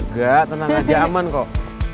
gak tenang aja aman kok